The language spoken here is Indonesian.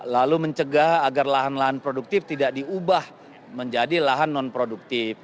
lalu mencegah agar lahan lahan produktif tidak diubah menjadi lahan non produktif